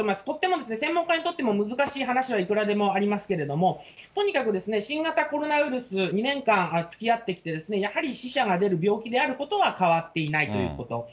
とっても、専門家にとっても難しい話はいくらでもありますけれども、とにかくですね、新型コロナウイルス、２年間つきあってきて、やはり死者が出る病気であることは変わっていないということ。